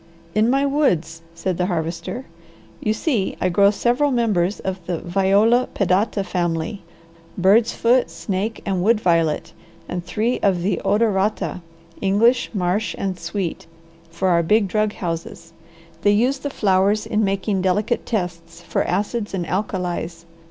"In my woods," said the Harvester. "You see I grow several members of the viola pedata family, bird's foot, snake, and wood violet, and three of the odorata, English, marsh, and sweet, for our big drug houses. They use the flowers in making delicate tests for acids and alkalies.